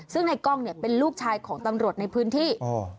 ซึ่งนายก้องเป็นลูกชายของตำรวจในพื้นที่